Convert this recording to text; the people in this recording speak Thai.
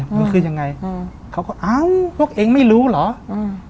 มันคือยังไงอืมเขาก็อ้าวพวกเองไม่รู้เหรออืม